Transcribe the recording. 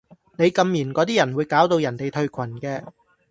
你禁言嗰啲人會搞到人哋退群嘅